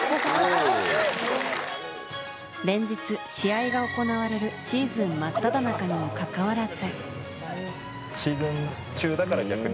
連日、試合が行われるシーズン真っただ中にもかかわらず。